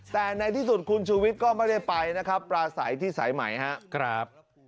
แต่ในที่สุดคุณชูวิทย์ก็ไม่ได้ไปนะครับปลาใสที่สายใหม่ครับ